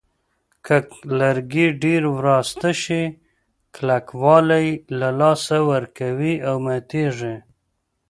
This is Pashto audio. که لرګي ډېر وراسته شي کلکوالی له لاسه ورکوي او ماتېږي.